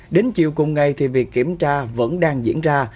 đến chiều cùng ngày thì việc kiểm tra vẫn đang diễn ra